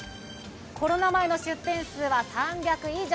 コロナ前の出店数は３００以上。